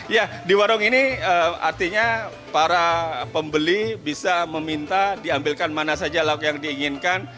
ya di warung ini artinya para pembeli bisa meminta diambilkan mana saja lauk yang diinginkan